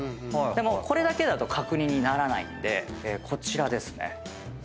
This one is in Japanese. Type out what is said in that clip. でもこれだけだと角煮にならないんでこちらです。